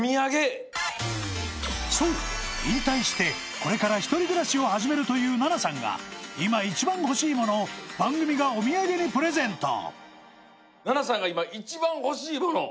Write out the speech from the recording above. そう引退してこれから一人暮らしを始めるという菜那さんが今一番ほしいものを番組がお土産にプレゼント